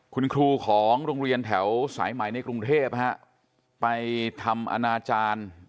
คุณครูของโรงเรียนแถวสายใหม่ในกรุงเทพไปทำอนาจารย์